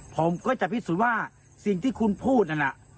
ผมก็จะพิสูจน์ว่าสิ่งที่คุณพูดนั่นน่ะ